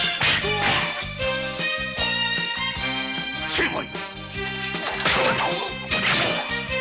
成敗！